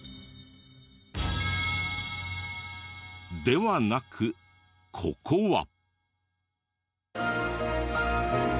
ではなくここは。